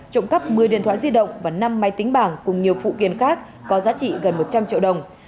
trộm cắp một mươi điện thoại di động và năm máy tính bảng cùng nhiều phụ kiện khác có giá trị gần một trăm linh triệu đồng